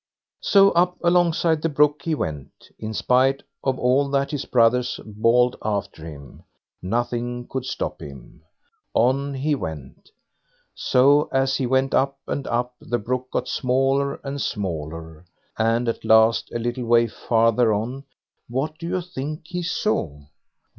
So up alongside the brook he went, in spite of all that his brothers bawled after him. Nothing could stop him. On he went. So, as he went up and up, the brook got smaller and smaller, and at last, a little way farther on, what do you think he saw?